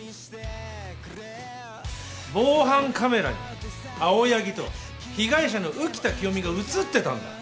防犯カメラに青柳と被害者の浮田清美が写ってたんだ